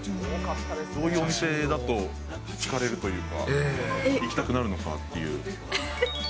どういうお店だと引かれるというか、行きたくなるのかっていう。